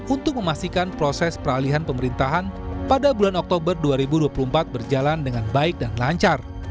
untuk memastikan proses peralihan pemerintahan pada bulan oktober dua ribu dua puluh empat berjalan dengan baik dan lancar